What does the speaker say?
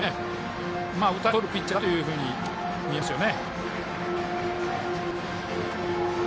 打たせてとるピッチャーだというふうに見えますよね。